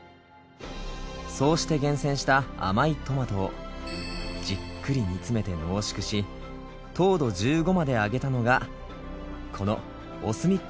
そうして厳選した甘いトマトをじっくり煮詰めて濃縮し糖度１５まで上げたのがこのＯＳＭＩＣ